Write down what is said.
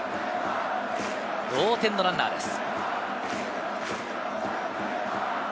同点のランナーです。